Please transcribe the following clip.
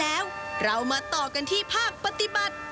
แล้วเรามาต่อกันที่ภาคปฏิบัติ